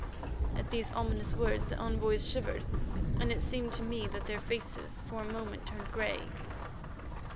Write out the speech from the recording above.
At these ominous words the envoys shivered, and it seemed to me that their faces for a moment turned grey.